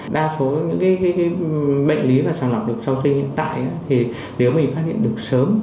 đa số những bệnh lý sàng lọc được sau sinh hiện tại thì nếu mình phát hiện được sớm